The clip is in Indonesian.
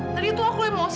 tadi tuh aku emosi